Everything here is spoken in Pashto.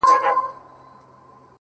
زه خو يو خوار او يو بې وسه انسان’